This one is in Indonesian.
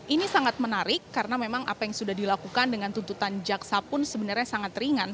ini sangat menarik karena memang apa yang sudah dilakukan dengan tuntutan jaksa pun sebenarnya sangat ringan